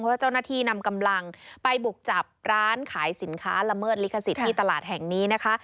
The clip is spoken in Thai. ว่าเจ้าหน้าที่นำกำลังไปบุกจับร้านขายสินค้าละเมิดลิขสิทธิ์ที่ตลาดแห่งนี้นะคะ